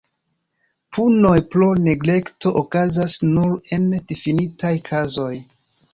Punoj pro neglekto okazas nur en difinitaj kazoj.